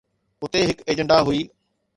اتي هڪ ايجنڊا هئي